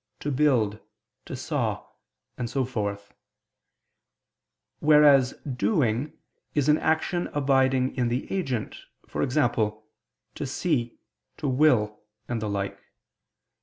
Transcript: "to build," "to saw," and so forth; whereas "doing" is an action abiding in the agent, e.g. "to see," "to will," and the like.